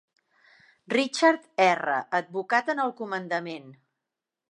Richard R. Advocat en el comandament.